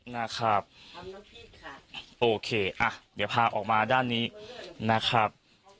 นะครับพี่ค่ะโอเคอ่ะเดี๋ยวพาออกมาด้านนี้นะครับ